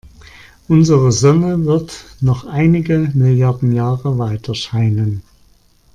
Unsere Sonne wird noch einige Milliarden Jahre weiterscheinen.